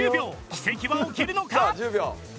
奇跡は起きるのか？